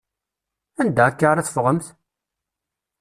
Anda akka ara teffɣemt?